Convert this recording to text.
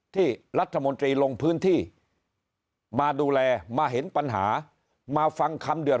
ที่รัฐมนตรีลงพื้นที่มาดูแลมาเห็นปัญหามาฟังคำเดือด